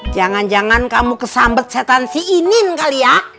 jangan jangan kamu kesambet setan si inin kali ya